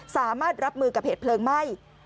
สามารถรับมือกับเหตุเพลิงไหม้